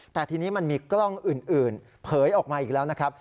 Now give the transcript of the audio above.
แต่ทีนี้มันมีกล้องอื่นเผยออกมาอีกแล้วนะครับ